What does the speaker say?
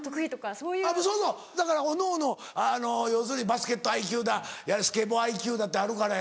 そうそうだからおのおの要するにバスケットＩＱだやれスケボーＩＱだってあるからやな。